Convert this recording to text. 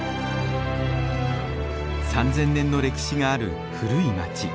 ３，０００年の歴史がある古い街。